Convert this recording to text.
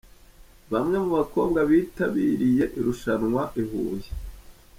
Bamwe mu bakobwa bitabiriye irushanwa i Huye.